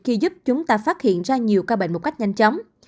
khi giúp chúng ta phát hiện ra nhiều ca bệnh một cách nhanh chóng